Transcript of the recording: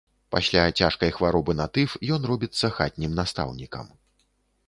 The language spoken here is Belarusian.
Пасля цяжкай хваробы на тыф ён робіцца хатнім настаўнікам.